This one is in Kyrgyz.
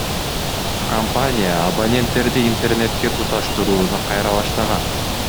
Компания абоненттерди Интернетке туташтырууну кайра баштаган.